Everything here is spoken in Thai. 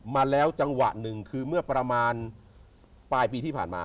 มาแล้วจังหวะหนึ่งคือเมื่อประมาณปลายปีที่ผ่านมา